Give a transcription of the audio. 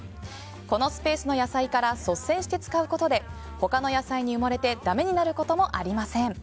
このスペースの野菜から率先して使うことで他の野菜に埋もれてダメになることもありません。